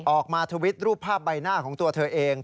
ทวิตรูปภาพใบหน้าของตัวเธอเอง